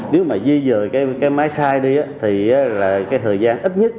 nếu mà di dời cái máy sai đi thì là cái thời gian ít nhất